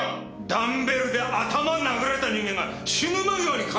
ダンベルで頭殴られた人間が死ぬ間際に書いたっていうのか。